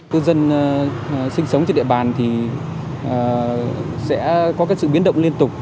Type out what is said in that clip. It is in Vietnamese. cư dân sinh sống trên địa bàn thì sẽ có cái sự biến động liên tục